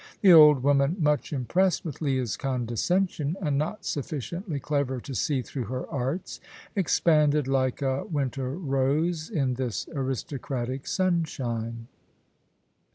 The old woman, much impressed with Leah's condescension, and not sufficiently clever to see through her arts, expanded like a winter rose in this aristocratic sunshine.